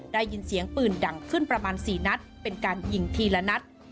ได้ยินเสียงปืนดังขึ้นประมาณ๔นัดเป็นการยิงทีละนัด